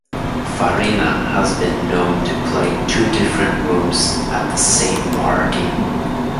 Farina has been known to play two different rooms at the same party.